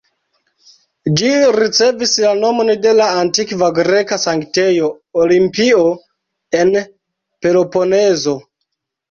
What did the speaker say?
Ĝi ricevis la nomon de la antikva greka sanktejo Olimpio, en Peloponezo.